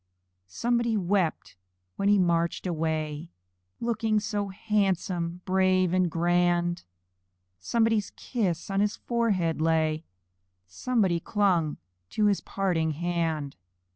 Somebody wept when he marched away, Looking so handsome, brave, and grand! Somebody's kiss on his forehead lay Somebody clung to his parting hand.